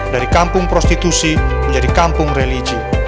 dari kampung prostitusi menjadi kampung religi